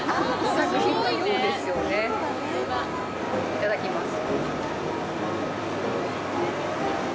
いただきます。